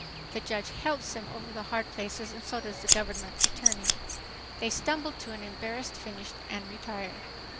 The judge helps them over the hard places and so does the government's attorney. They stumble to an embarrassed finish and retire.